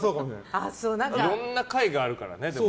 いろいろな解があるからね。